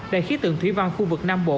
đài khí tượng thủy văn khu vực nam bộ